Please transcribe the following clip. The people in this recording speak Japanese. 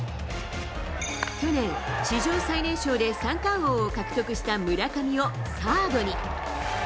去年、史上最年少で三冠王を獲得した村上をサードに。